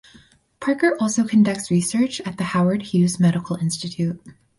Parker also conducts research at the Howard Hughes Medical Institute.